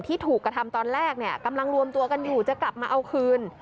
ที่ถูกกระทำตอนแรกเนี่ยกำลังรวมตัวกันอยู่จะกลับมาเอาคืน